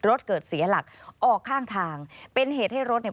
รถเกิดเสียหลักออกข้างทางเป็นเหตุให้รถเนี่ย